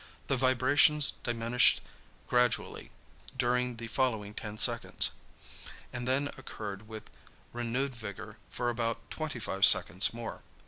The vibrations diminished gradually during the following ten seconds, and then occurred with renewed vigor for about twenty five seconds more.